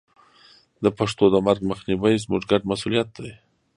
د پښتو د مرګ مخنیوی زموږ ګډ مسوولیت دی.